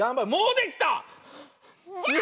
できた！